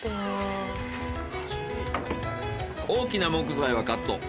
大きな木材はカット。